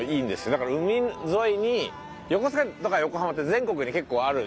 だから海沿いに横須賀とか横浜って全国に結構あるじゃん。